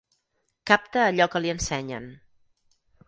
Capta allò que li ensenyen.